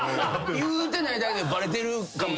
言うてないだけでバレてるかもしれない。